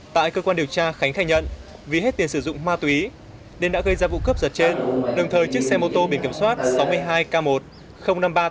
tại cơ quan điều tra khánh khai nhận vì hết tiền sử dụng ma túy nên đã gây ra vụ cướp giật trên đồng thời chiếc xe mô tô biển kiểm soát sáu mươi hai k một năm nghìn ba trăm tám mươi tám